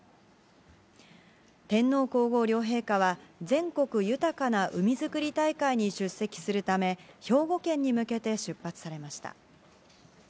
天皇皇后両陛下は、全国豊かな海づくり大会に出席するため、兵庫県に向けて出発されました。